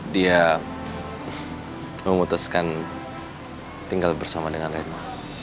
dia memutuskan tinggal bersama dengan rema